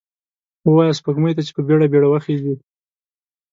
ووایه سپوږمۍ ته، چې په بیړه، بیړه وخیژئ